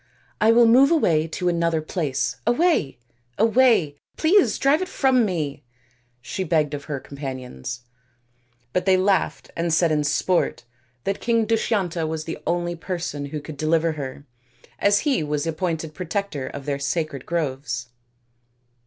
" I will move away to another place. Away ! away ! Please drive it from me," she begged of her companions ; but they laughed and said in sport that King Dushyanta was the only person who could deliver her, as he was the appointed protector of their sacred groves.